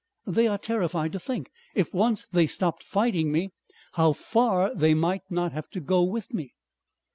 They are terrified to think, if once they stopped fighting me, how far they might not have to go with me."